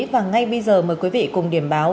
và ngay bây giờ mời quý vị cùng điểm báo